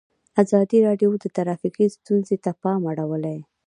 ازادي راډیو د ټرافیکي ستونزې ته پام اړولی.